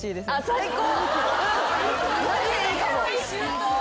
最高。